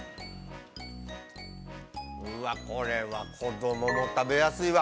これは子供も食べやすいわ。